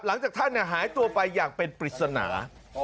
หลังจากท่านหายตัวไปอย่างเป็นปริศนา